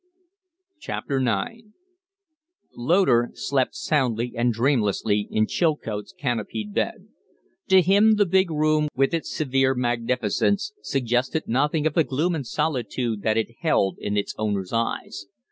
IX Loder slept soundly and dreamlessly in Chilcote's canopied bed. To him the big room with its severe magnificence suggested nothing of the gloom and solitude that it held in its owner's eyes.